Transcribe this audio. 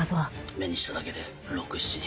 目にしただけで６７人。